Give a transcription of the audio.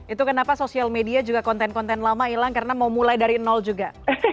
itu kenapa sosial media juga konten konten lama hilang karena mau mulai dari nol juga